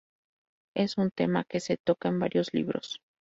Es un tema que se toca en varios libros.